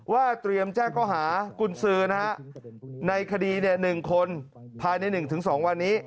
เตรียมแจ้งข้อหากุญสือในคดี๑คนภายใน๑๒วันนี้